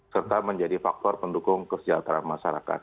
serta menjadi faktor pendukung kesejahteraan masyarakat